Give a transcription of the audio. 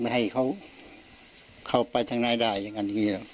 อันนี้เจ้าของบ้านเขาเชื่ออย่างนั้น